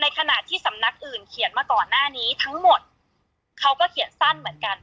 ขณะที่สำนักอื่นเขียนมาก่อนหน้านี้ทั้งหมดเขาก็เขียนสั้นเหมือนกัน